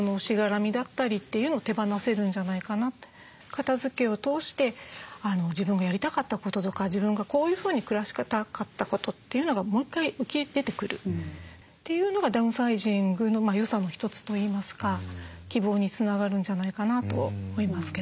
片づけを通して自分がやりたかったこととか自分がこういうふうに暮らしたかったことというのがもう一回浮き出てくるというのがダウンサイジングの良さの一つといいますか希望につながるんじゃないかなと思いますけど。